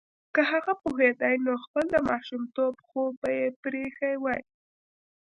که هغه پوهیدای نو خپل د ماشومتوب خوب به یې پریښی وای